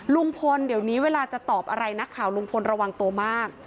ลุงพลเดี๋ยวนี้เวลาจะตอบอะไรนักข่าวลุงพลระวังตัวมาก